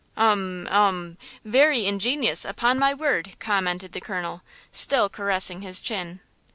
"Umm! umm! very ingenious, upon my word!" commented the colonel, still caressing his chin.